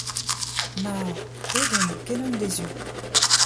Ma, aet on, ken an deizioù !